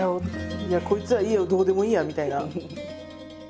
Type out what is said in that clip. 「こいつはいいよどうでもいいや」みたいな。